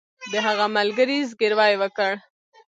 د هغه ملګري زګیروی وکړ